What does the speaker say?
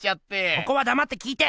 ここはだまって聞いて！